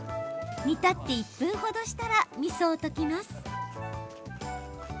煮立って１分ほどしたらみそを溶きます。